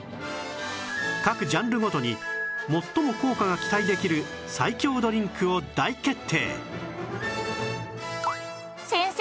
各ジャンルごとに最も効果が期待できる最強ドリンクを大決定！